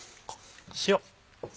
塩。